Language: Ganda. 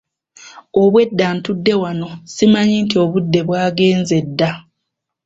Obwedda ntudde wano simanyi nti obudde bwagenze dda.